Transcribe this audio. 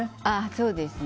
そうですね。